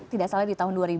tidak salah di tahun dua ribu